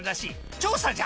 調査じゃ！